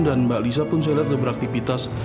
dan mbak lisa pun saya lihat udah ada beraktifitas